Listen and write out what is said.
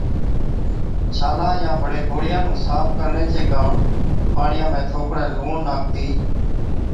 ڇالان يان بڙي گوڙهِيان نُون صاف ڪرڻي چي ڪاڻ پاڻِيان ۾ ٿوڪڙَي لُوڻ ناکتِي